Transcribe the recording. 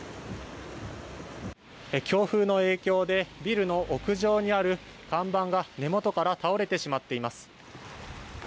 強風の影響でビルの屋上にある看板が根元から倒れてしまっています。